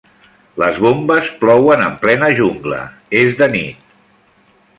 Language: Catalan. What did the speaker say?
Les bombes plouen en plena jungla, és de nit.